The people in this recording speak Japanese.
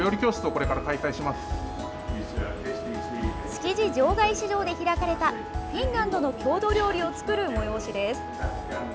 築地場外市場で開かれたフィンランドの郷土料理を作る催しです。